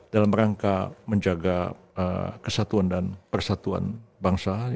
dalam rangka menjaga kesatuan dan persatuan bangsa